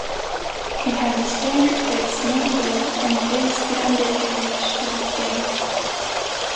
It had the standard fixed main wheel and tail-skid undercarriage of its day.